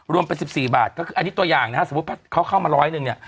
รวมเป็น๑๔บาทก็คืออันนี้ตัวอย่างนะฮะสมมุติว่าเขาเข้ามาร้อยหนึ่งเนี่ย